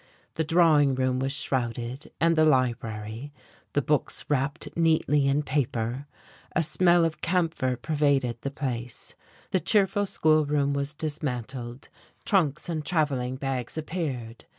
The drawing room was shrouded, and the library; the books wrapped neatly in paper; a smell of camphor pervaded the place; the cheerful schoolroom was dismantled; trunks and travelling bags appeared.